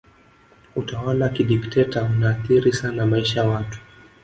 utawala wa kidikiteta unaathiri sana maisha ya watu